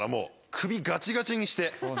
首ガチガチにして。